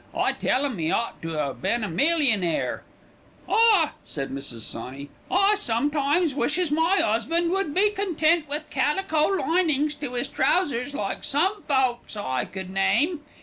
I tell 'im he ought to 'ave been a millionaire." "Ah!" said Mrs. Sawney, "I sometimes wishes my 'usband would be content with calico linings to 'is trousers, like some folks I could name.